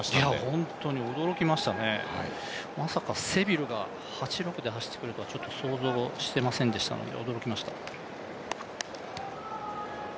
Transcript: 本当に驚きましたね、まさかセビルが８６で走ってくるとは想像していませんでしたので、驚きました。